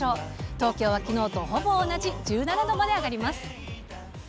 東京はきのうとほぼ同じ１７度まで上がります。